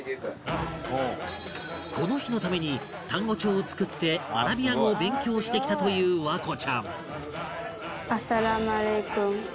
この日のために単語帳を作ってアラビア語を勉強してきたという環子ちゃん